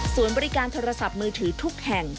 ส่วนบริการโทรศัพท์มือถือทุกแห่ง